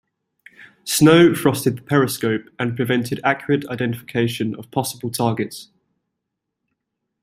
Snow frosted the periscope and prevented accurate identification of possible targets.